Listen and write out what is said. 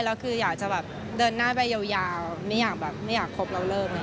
แล้วคืออยากจะเดินหน้าไปยาวไม่อยากคบแล้วเลิก